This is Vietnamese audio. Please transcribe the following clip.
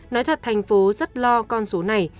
nói thật thành phố rất lo con số này